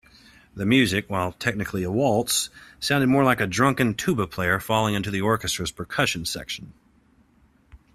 The music, while technically a waltz, sounded more like a drunken tuba player falling into the orchestra's percussion section.